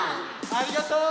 ありがとう！